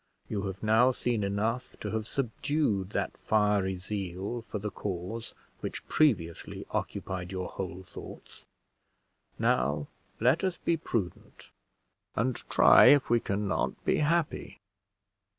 You have now seen enough to have subdued that fiery zeal for the cause which previously occupied your whole thoughts; now let us be prudent, and try if we can not be happy."